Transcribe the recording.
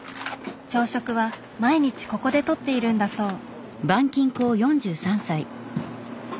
朝食は毎日ここでとっているんだそう。